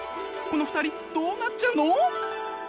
この２人どうなっちゃうの？